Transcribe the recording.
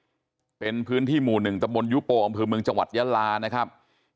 ทุกผู้ชมครับเป็นพื้นที่หมู่๑ตะบนยุโปรกับบริเมินจังหวัดยัลลานะครับ